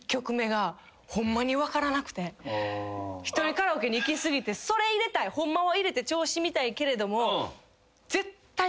１人カラオケに行き過ぎてそれ入れたいホンマは入れて調子見たいけれども。